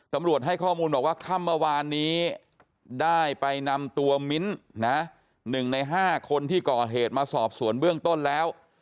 ตำรวจให้ข้อมูลบอกว่าค่ำเมื่อวานนี้ได้ไปนำตัวมิ้น๑ใน๕คนที่ก่อเหตุมาสอบสวนเบื้องต้นแล้ว